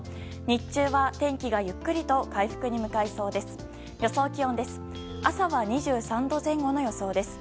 日中は、天気がゆっくりと回復に向かいそうです。